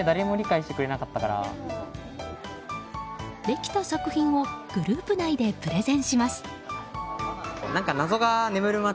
できた作品をグループ内でプレゼンします。